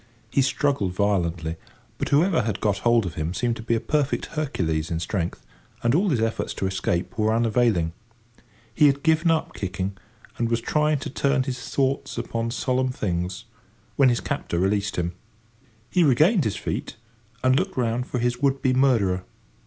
He struggled violently, but whoever had got hold of him seemed to be a perfect Hercules in strength, and all his efforts to escape were unavailing. He had given up kicking, and was trying to turn his thoughts upon solemn things, when his captor released him. He regained his feet, and looked round for his would be murderer.